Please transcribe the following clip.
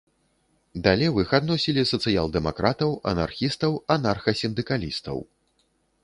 Да левых адносілі сацыял-дэмакратаў, анархістаў, анарха-сіндыкалістаў.